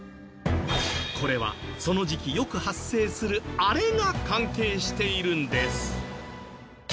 これはその時期よく発生するあれが関係しているんです。